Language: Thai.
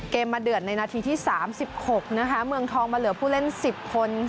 มาเดือดในนาทีที่๓๖นะคะเมืองทองมาเหลือผู้เล่น๑๐คน